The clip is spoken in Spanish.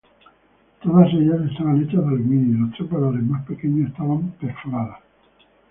Todas ellas estaban hechas de aluminio y los tres valores más pequeños estaban perforadas.